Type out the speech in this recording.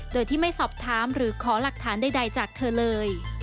โดยที่ไม่สอบถามหรือขอหลักฐานใดจากเธอเลย